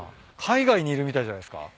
海外にいるみたいじゃないっすか。